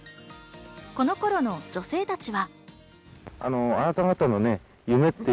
この頃の女性たちは。